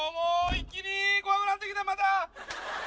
一気に怖くなってきたまた！